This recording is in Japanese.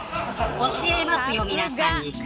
教えますよ、皆さんに。